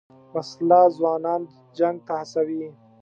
وسله ځوانان جنګ ته هڅوي